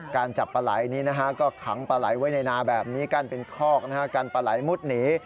การจับปลายนี้นะฮะก็ขังปลายไว้ในนาแบบนี้กั้นเป็นคอกนะฮะการปลายมุดหนี